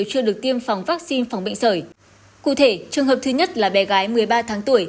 chưa được tiêm phòng vaccine phòng bệnh sởi cụ thể trường hợp thứ nhất là bé gái một mươi ba tháng tuổi